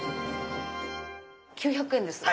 ９００円です。